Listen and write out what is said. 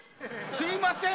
すいません